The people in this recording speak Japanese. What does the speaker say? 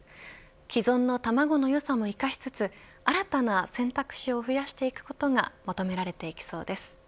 既存の卵のよさも生かしつつ新たな選択肢を増やしていくことが求められていきそうです。